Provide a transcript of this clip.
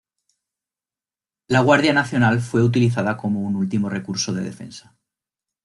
La Guardia Nacional fue utilizada como un último recurso de defensa.